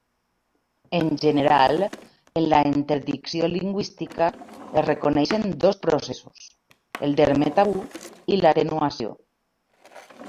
En general, en la interdicció lingüística es reconeixen dos processos: el terme tabú i l'atenuació.